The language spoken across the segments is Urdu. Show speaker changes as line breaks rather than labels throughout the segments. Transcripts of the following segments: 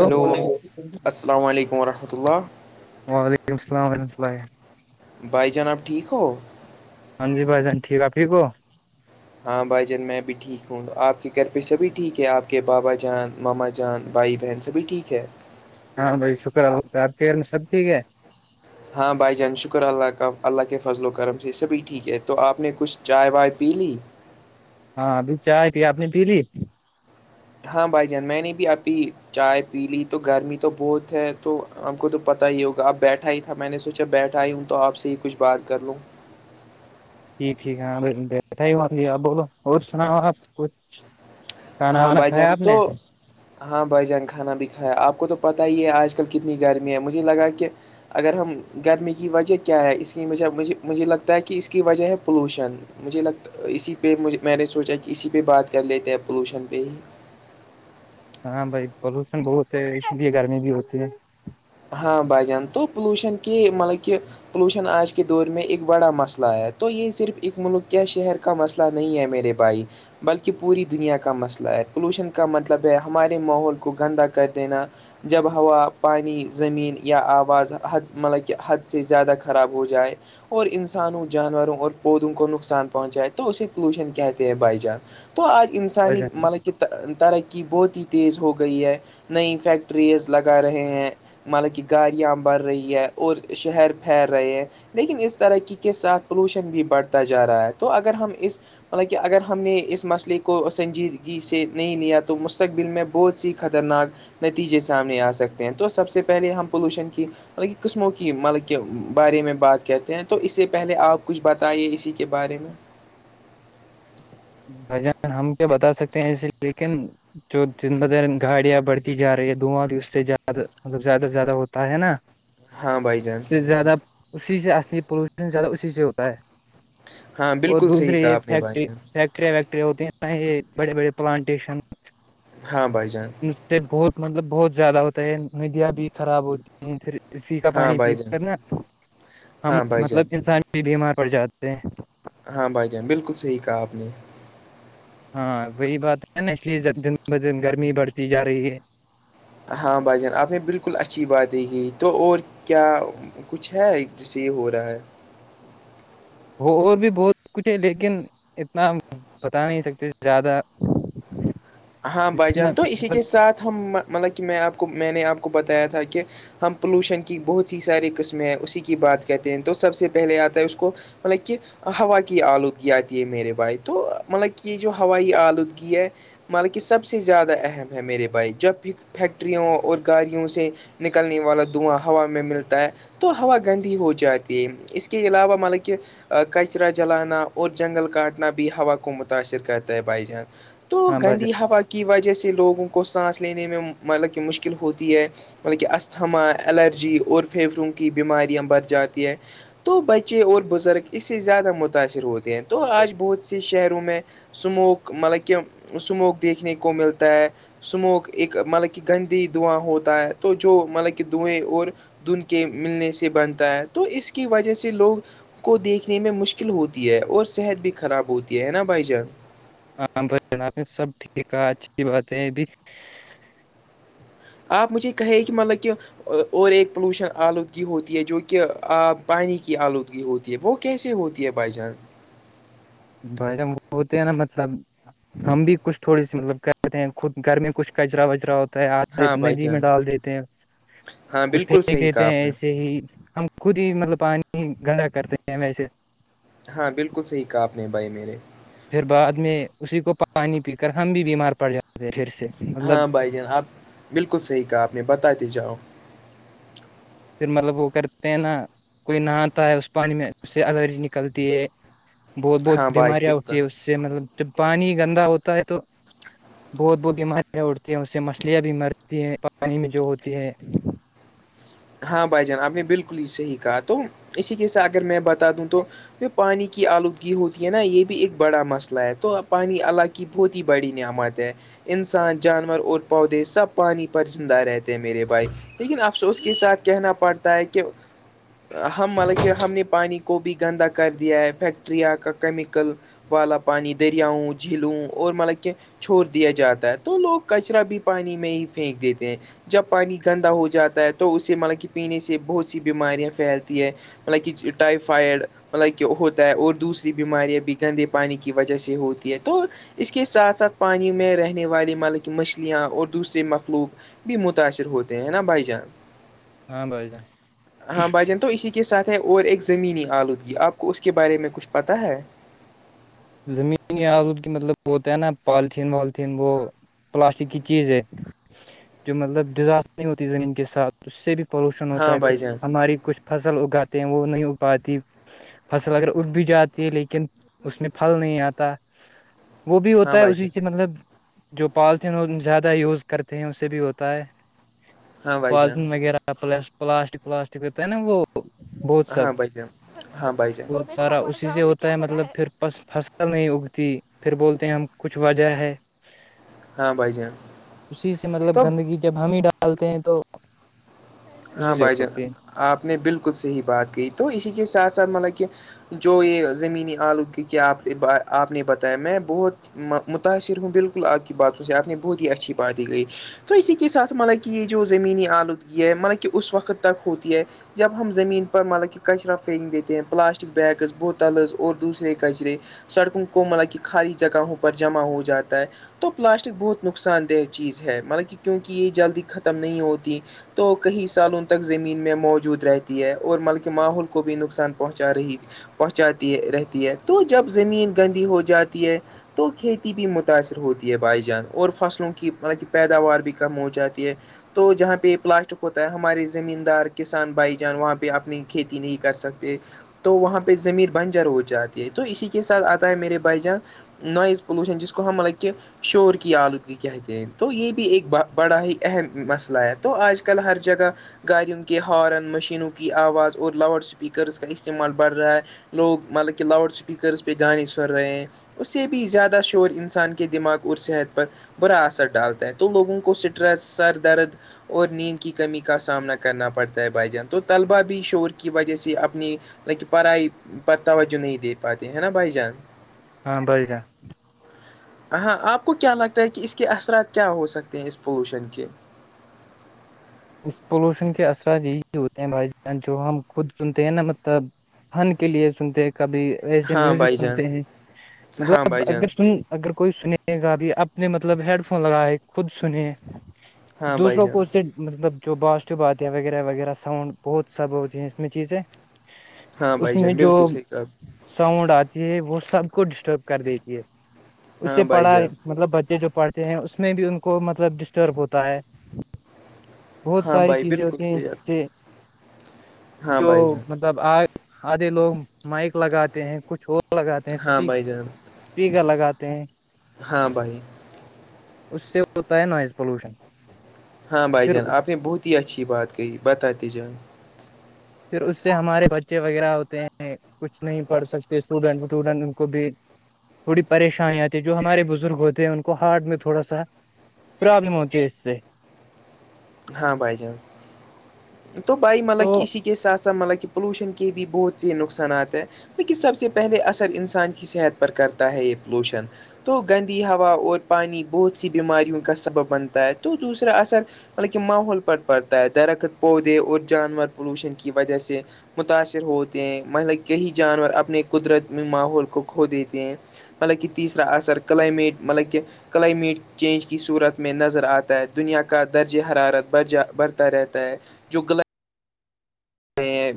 ہلو السلام علیکم وورحمۃ اللہ
وعلیکم السلامورحمۃ اللہ
بھائی جناب ٹھیک ہو
ہاں ج بھائیان ٹھیک آپھیک ہو
ہاں بھائی جان میں بھی ٹھیک ہوں آپ کے گھر پہ سبھی ٹھیک ہے آپ کے بابا جان ماما ج جان بھائی بہن سبھی ٹھیک ہے
ہاں بائی شکرہ آ کیئر میں سب ٹھیک ہے
ہاں بھائی جان شکر اللہ کا اللہ کے فضل و کرم سے سبھی ٹھیک ہے تو آپ نے کچھ چائے وائے پی لی
ہاں ابھی چائے پ آ اپ نے پی لی
ہاں بھائی جان میں نے بھی آپ ہی چائے پی لی تو گرمی تو بہت ہے تو آپ کو تو پتا ہی ہوگا اپ بیٹھا ہی ہاں میں نے سوچا بیٹھا آئی ہوں تو آپ سے ہی کچھ بات کر لوں
جٹیک ٹھیک ہے ہاں بیٹھا ہی ہ آپ بولو اور سناؤ آپ کچھ کھانا
ہاں
وانا
بھائی
کھایا
جان
آپ نے
تو ہاں بھائی جان کھانا بھی کھایا آپ کو تو پت ہی ہے آج کل کتنی گرمی ہے مجھے لگا کہ اگر ہم گرمی کی وجہ کیا ہے اس کی وجہجھے مجھے لگتا ہے کہ اس کی وجہ ہے پولوشن مجھے لگتا اسی پہ میں نے سوچا کہ اسی پہ بات کر لیتے ہیں پولوشن پہ ہی
ہاں بھائی پولوشن بہت ہے اس لیے گرمی بھی ہوتی ہے
ہاں بج جان تو پولوشن کی مطلب کہ پولوشن آج کے دور میں ایک بڑا مسئلہ ہے تو یہ صرف ایک ملک کے شہر کا مسئلہ نہیں ہے میرے بھائی بلکہ پوری دنیا کا مسئلہ ہے پولوشن کا مطلب ہے ہمارے ماحول کو گندہ کر دینا جب ہوا پانی زمین یا آواز حد مطلب کہ حد سے زیادہ خراب ہو جائے اور انسانوں جانوروں اور پودوں کو نقصان پہنچائے تو اسے پولوشن کہتے ہیں بھائی جان تو آج انسانی مطلب کہ ترقی بہت ہی تیز ہو گئی ہے نئی فیکٹریز لگا رہے ہیں مطلب کہ گاریاں بڑ رہی ہے اور شہر پیر رہے ہیں لیکن اس ترقی کے ساتھ پولوشن بھی بڑھتا جا رہا ہے تو اگر ہم اس مطلب کہ اگر ہم نے اس مسئلے کو سنجیدگی سے نہیں لیا تو مستقبل میں بہت سی خطرناک نتیجے سامنے آ سکتے ہیں تو سب سے پہلے ہم پولوشن کی مطلب قسموں کی مطلب کے بارے میں بات کہتے ہیں تو اس سے پہلے آپ کچھ بتائیے اسی کے بارے میں
بھجن ہم کیا بتا سکتے ہیں اسے لیکن جو دن بدن گاڑیاں بڑھتی جا رہی ہے دھواں بھی اس سے زدہ ملب زیادہ سے زیادہ ہوتا ہے نا
ہاں بائی جان
اس سے زیادہ اسی سے اصلی پولوشن زیادہ اسی سے ہوتا ہے
ہاں
اور
بالکل صحیح
دوسریے
کہا
یہ
آپ نے بھائی
فیکٹری
جان
فیکٹریاں ویکٹرییاں ہوتی ہیں یہ بڑے بڑے پلانٹیشن
ہاں بھائی جان
بہت مطلب بہت زیادہ ہوتا ہے ندیاں بھی خراب ہوتی ہے پھر اسی کا
ہاں
پانی پی
بھائی جان
کرنا ہم
ہاں بھائی جان
مطلب انسان بھی بیمار پڑ جاتے ہیں
ہاں بھائی جان بالکل صحیح کہا آپ نے
ہاں وہی بات ہے نا اسچے دن ب دن گرمی بڑھتی جا رہی ہے
ہاں بھائی جان آپ نے بالکل اچھی باتیں کی تو اور کیا کچھ ہے جیسے یہ ہو رہا ہے
اور بھی بہت کچھ ہے لیکن اتنا بتا نہیں سکتے زیادہ
ہاں بھائی جان تو اسی
مطلب
کے ساتھ مطلب کہ میں آپ کو میں نے آپ کو بتایا تھا کہ ہم پولوشن کی بہت سی ساری قسمیں ہیں اسی کی بات کہتے ہیں تو سب سے پہلے آتا ہے اس کو مطل کہ ہوا کی آلودگی آتی ہے میرے بھائی تو مطلب کہ یہ جو ہوائی آلودگی ہے مالکہ سب سے زیادہ اہم ہے میرے بھائی جب فیکٹریوں اور گاڑیوں سے نکلنے والا دھواں ہوا میں ملتا ہے تو ہوا گندی ہو جاتی ہے اس کے علاوہ مطلب کہ کچرا جلانا اور جنگل کاٹنا بھی ہووا کو متاثر کرتا ہے بائی جان تو
ہاں بھائی
گندی
جان
ہوا کی وجہ سے لوگوں کو سانس لینے میں مطلب کہ مشکل ہوتی ہے مطلب کہ استھما الرجی اور پھیپڑوں کی بیماریاں بڑھ جاتی ہے تو بچے اور بزرگ اس سے زیادہ متاثر ہوتے ہیں تو آج بہت سے شہروں میں سموک مطلب کہ سموک دیکھنے کو ملتا ہے سموک ایک مطلب کہ گندی دواں ہوتا ہے تو جو مطلب کہ دوئیں اور دن کے ملنے سے بنتا ہے تو اس کی وجہ سے لوگ کو دیکھنے میں مشکل ہوتی ہے اور صحت بھی خراب ہوتی ہے نا بھائی جان
ام ج سب ٹھیک ہے اچھی بات ہے بھی
آپ مجھے یہ کہے کہ مطلب کہ اور ایک پولوشن آلودگی ہوتی ہے جو کہ آب پانی کی آلودگی ہوتی وہ کیسے ہوتی ہے بھائی جان
بائیم وہ ہوتے ہیں نا مطلب ہم بھی کچھ تھوڑی سی مطلب کرتے ہیں خود گھر میں کچھ کچرا وجرا ہو
ہاں بھائی
ندی میں
جان
ڈال دیتے ہیں
ہاں
کچھ
بالکل
پھینک
صحیح
دیتے
کہا آپ
ہیں
نے
ایسے ہی ہم خود ہی مطلب پانی گندا کرتے ہیں ویسے
ہاں بالکل صحیح کہا آپ نے بھائی میرے
پھر بعد میں اسی کو پانی پی کر ہم بھی بیمار پڑ جاتے پھر سے مطلب
ہاں بھائی جان آپ بالکل صحیح کہا آپ نے بتا دیے جاؤ
پھر مطلب وہ کرتے ہیں نا کوئی نہاتا ہے اس پانی میں اس سے الرجی نکلتی ہے بہت بہت
ہاں بھائی
بیماریاں
بالکل
ہوتی ہے اس سے مطلب ج پانی گندا ہوتا ہے تو بہت بہت بیمارارییاں اڑتی ہیں اس سے مچھلیاں بھی مرتی ہیں پانی میں جو ہوتی ہے
ہاں بھائی جان آپ نے بالکل ہی صحیح کہا تو اسی کے س اگر میں بتا دوں تو تو پانی کی آلودگی ہوتی ہے نا یہ بھی ایک بڑا مسئلہ ہے تو پانی ال کی بہت ہی بڑی نعمت ہے انسان جانور اور پودے سب پانی پر زندہ رہتے ہیں میرے بائک لیکن افسوس کے ساتھ کہنا پڑتا ہے کہ ہم ملب کہ ہم نے پانی کو بھی گندا کر دیا ہے فیکٹریاں کا کیمیکل والا پانی دریاؤں جھیلوں اور مطلب کہ چھوڑ دیا جاتا ہے تو لوگ کچرا بھی پانی میں ہی پھینک دیتے ہیں جب پانی گندا ہو جاتا ہے تو اسے مطلب کہ پینے سے بہت سی بیماریاں پھیلتی ہے مطلب کہ ٹائفائڈ مطلب کہ ہوتا ہے اور دوسری بیماریاں بھی گندے پانی کی وجہ سے ہوتی ہے تو اس کے ساتھ ساتھ پانی میں رہنے والے ملک مچھلیاں اور دوسرے مخلوق بھی متاثر ہوتے ہیں نا بھائی جان
ہاں بائی جان
ہاں بھائی جان تو اسی کے ساتھ ہے اور ایک زمینی آلودگی آپ کو اس کے بارے میں کچھ پتاہ ہے
زمین آرود کی مطلب وہ ہوتا ہے نا پالتھیین والیتھیین وہ پلاسٹک کی چیز ہے جو مطلب ڈیزاسٹر نہیں ہوتی زمین کے ساتھ اس سے بھی پولوشن ہوتا
ہاں
ہے
بھائی
پھر
جان
ہماری کچھ فصل اگاتے ہیں وہ نہیں اگ پاتی فصل اگر اگ بھی جاتی ہے لیکن اس میں پھل نہیں آتا وہ بھی
ہاں
ہوتا ہے
بھائی
اسی
جان
سے مطلب جو پالتین زیادہ یوز کرتے ہیں اسے بھی ہوتا ہے
ہاں بھائی جان
پالیتین وغیرہ پلاسٹک پلاسٹک ہوتا ہے نا وہ بت سب
ہاں بھائی جان ہاں بھائی جان
سارا اسی سے ہوتا ہے مطلب پھر بس فصل نہیں اگتی پھر بولتے ہیں ہم کچھ وجہ ہے
ہاں بھائی جان
اسی سے مطلب
تو
گندگی جب ہم ہی ڈالتے ہیں تو اسی
ہاں
سے
بھائی جان
ہوتی ہے
آپ نے بالکل صحی بات کی تو اسی کے ساتھ ساتھ مطلب کہ جو یہ زمینی آلودگی کیا آپ آپ نے بتایا میں بہت متاثر ہوں بالکل آپ کی بات اس آپ نے بہت ہی اچھی بات دی گئی تو اسی کے ساتھ مطلب کہ یہ جو زمینی آلودگی ہے مطلب کہ اس وقت تک ہوتی ہے جب ہم زمین پر مطلب کہ کچرا پھینک دیتے ہیں پلاسٹک بیگز بوتلز اور دوسرے کچرے سڑکوں کو مطلب کہ کھالی جگہوں پر جمع ہو جاتا ہے تو پلاسٹک بہت نقصان دہ چیز ہے ملب کہ کیونکہ یہ جلدی ختم نہیں ہوتی تو کئی سالوں تک زمین میں موجود رہتی ہے اور بلکہ ماحول کو بھی نقصان پہنچا رہی پہنچاتی رہتی ہے تو جب زمین گندی ہو جاتی ہے تو کھیتی بھی متاثر ہوتی ہے بھائی جان اور فصلوں کی مطلب کہ پیداوار بھی کم ہو جاتی ہے تو جہاں پہ یہ پلاسٹ چک ہوتا ہے ہمارے زمین دار کسان بھائی جان وہاں پہ اپنی کھیتی نہیں کر سکتے تو وہاں پہ زمیر بنجر ہو جاتی ہے تو اسی کے ساتھ آتا ہے میرے بھائی جان نوائز پولوشن جس کو ہم لگ کہ شور کی آلودگی کہتےیں تو یہ بھی ایک بڑا ہی اہم مسئلہ ہے تو آج آ کل ہر جگہ گاڑیوں کے ہارن مشینوں کی آواز اور لاؤڈ اسپیکرز کا استعمال بڑھ رہا ہے لوگ مطلب کہ لاؤڈ اسپیکرس پہ گانے سن رہے ہیں اس سے بھی زیادہ شور انسان کے دماغ اور صحت پر برا اثر ڈالتا ہے تو لوگوں کو اسٹریس سر درد اور نیند کی کمی کا سامنا کرنا پڑتا ہے بھائی جان تو طلبا بھی شور کی وجہ سے اپنی ل پڑھائی پر توجہ نہیں دے پاتے ہے نا بھائی جان
ہاں بر سان
ہاں آپ کو کیا لگتا ہے کہ اس کے اثرات کیا ہو سکتے ہیں اس پولوشن کے
اس پولوشن کے اثرات یہی ہوتے ہیں بھائیان جو ہم خود سنتے ہیں نا مطلب فن کے لیے سنتے ہیں کبھی ایسے
ہاں
میوزک
بھائی جان
سنتے ہیں
ہاں
مطلب
بھائی جان
اگر سن اگر کوئی سنے گا بھی اپنے مطلب ہیڈ فون لگائے خود سنے
ہاں بھائی
دوسروں
جان
کوشن مطلب جو پوازٹیو آتی ہیں وغیرہ وغیرہ ساؤنڈ بہت سب ہوتی ہیں اس میں چیزیں
ہاں
اس
بھائی
میں
جان
جو
بالکل صحیح کہا آپ
ساؤنڈ آتی ہے وہ سب کو ڈسٹرب کر دیتی ہے اس
ہاں
سے
بھائی
پڑھا
جان
مطلب بچے جو پڑھتے ہیں اس میں بھی ان کو مطلب ڈسٹرب ہوتا ہے بہت
ہاں
ساری
بھائی
چیزیں
بالکل
ہوتی ہیں
صحیح
اس
آپ
سے
ہاں
جو
بھائی جان
آ آدھے لوگ مائک لگاتے ہیں کچھ اور لگاتے ہیں
ہاں بھائی جان
اسپیکر لگاتے ہیں
ہاں بھائی
اس سے ہوتا ہے نوائز پولوشن
ہاں بھائی
پھر
جان
پھر
آپ نے بہت ہی اچھی بات کہی بتاتے جان
پھر اس سے ہمارے بچے وغیرہ ہوتے ہیں کچھ نہیں پڑھ سکتے اسٹوڈنٹ وٹوڈنٹ ان کو بھی تھوڑی پریشانی آتی ہے جو ہمارے بزرگ ہوتے ہیں ان کو ہارڈ میں تھوڑا سا پروابلم ہوتی ہے اس سے
ہاں بائی جان تو بائی مل
تو
اسی کے ساتھ ساتھ مطلب کہ پولوشن کے بھی بہت سے نقصانات ہیں لیکن سب سے پہلے اثر انسان کی صحت پر کرتا ہے یہ پولوشن تو گندی ہوا اور پانی بہت سی بیماریوں کا سبب بنتا ہے تو دوسرا اثر ملک ماحول پر پڑتا ہے درخت پودے اور جانور پولوشن کی وجہ سے متاثر ہوتے ہیں مطلب کئی جانور اپنے قدرت میں ماحول کو کھو دیتے ہیں مطلب کہ تیسرا اثر کلمیٹ مطلب کہ کلائمیٹ چینج کی صورت میں نظر آتا ہے دنیا کا درجے حرارت بر جا برتا رہتا ہے جو گلا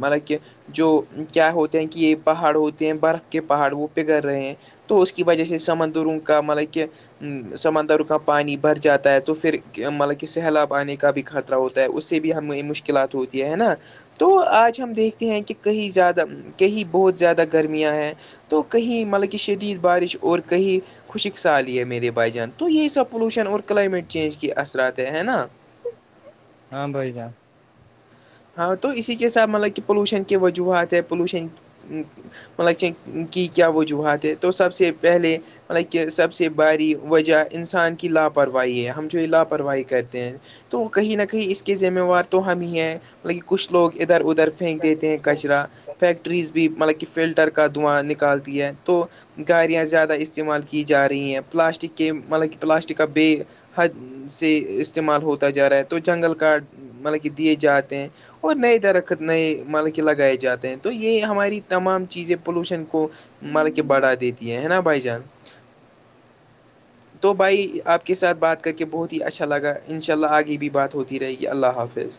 ملب کہ جو کیا ہوتے ہیں کہ یہ پہاڑ ہوتے ہیں برف کے پہاڑ وہ پگڑ رہے ہیں تو اس کی وجہ سے سمندروں کا مطلب کہ سمندر کا پانی بھر جاتا ہے تو پھر مطلب کہ سیلاب آنے کا بھی خطر ہوتا ہے اس سے بھی ہمیں مشکلات ہوتی ہے نا تو آج ہم دیکھتے ہیں کہ کہیں زیادہ کہیں بہت زیادہ گرمیاں ہیں تو کہیں مطلب کہ شدید بارش اور کہیں خوشک سالی ہے میرے بھائی جان تو یہی سب پولوشن اور کلائمیٹ چینج کے اثرات ہے نا
ہاں بائیجا
ہاں تو اسی کے ساتھ مطلب کہ پولوشن کی وجوہات ہے پولوشن مط لگ کی کیا وجوہات ہے تو سب سے پہلے مطلب کہ سب سے باری وجہ انسان کی لاپرواہی ہے ہم جو یہ لاپرواہی کرتے ہیں تو کہیں نہ کہیں اس کے ذمےوار تو ہم ہی ہیں لیکن کچھ لوگ ادھر ادھر پھینک دیتے ہیں کچرا فیکٹریز بھی مطلب کہ فلٹر کا دھواں نکالتی ہے تو گااریاں زیادہ استعمال کی جا رہی ہیں پلاسٹک کے مطلب کہ پلاسٹک کا بے حد سے استعمال ہوتا جا رہا ہے تو جنگل کاڈ مطلب کہ دیے جاتے ہیں اور نئے درخت نئے مطب کہ لگائے جاتے ہیں تو یہ ہماری تمام چیزیں پولوشن کو مر کے بڑا دیتی ہے ہے نا بھائی جان تو بھائی آپ کے ساتھ بات کر کے بہت ہی اچھا لگا ان شاء اللہ آگے بھی بات ہوتی رہے گی اللہ حافظ